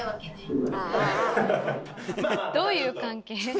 どういう関係？